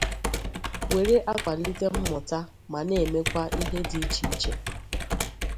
were akwàlite mmụta ma na-emekwa ihe dị iche iche.